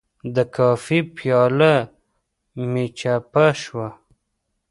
د کافي پیاله مې چپه شوه.